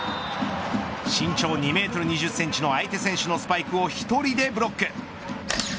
身長２メートル２０センチの相手選手のスパイクを１人でブロック。